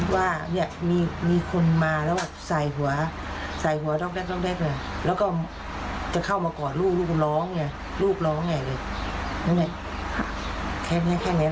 แค่เนี่ยแค่นั้นแหละตึงเมื่อคืนที่มีเหตุการณ์อย่างงี้